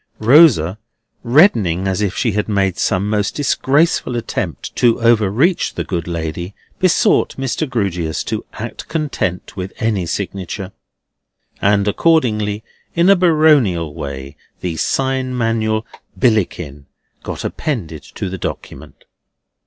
Rosa reddening as if she had made some most disgraceful attempt to overreach the good lady, besought Mr. Grewgious to rest content with any signature. And accordingly, in a baronial way, the sign manual BILLICKIN got appended to the document.